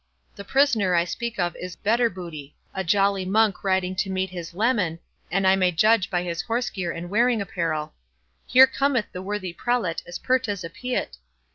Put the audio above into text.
The prisoner I speak of is better booty—a jolly monk riding to visit his leman, an I may judge by his horse gear and wearing apparel.—Here cometh the worthy prelate, as pert as a pyet."